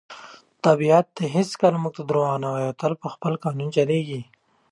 طبیعت هیڅکله موږ ته دروغ نه وایي او تل په خپل قانون چلیږي.